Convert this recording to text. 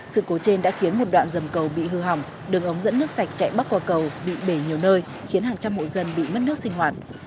sự cố trên đã khiến một đoạn dầm cầu bị hư hỏng đường ống dẫn nước sạch chạy bắc qua cầu bị bể nhiều nơi khiến hàng trăm hộ dân bị mất nước sinh hoạt